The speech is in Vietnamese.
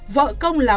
vợ công là